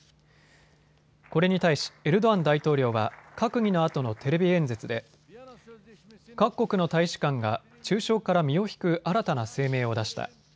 これに対しエルドアン大統領は閣議のあとのテレビ演説で各国の大使館が中傷から身を引く新たな声明を出した。